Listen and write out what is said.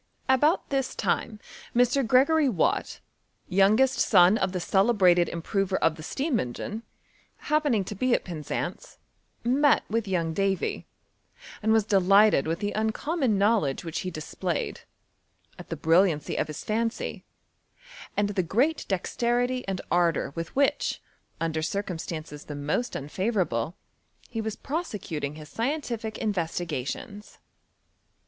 About this lime Mr. Gregory Watt, youngest son of the celebrated improver of the steam engine, happening to be at Penzance, met with young Davy, and was delighted with the uncommon knowledge which he displayed, at the brilliancy of bis fancy, and the great dexterity and ardour with which, under cir cumstances the most unfavourable, he was prose cuting his scientific, investigations.